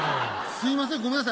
すいませんごめんなさい。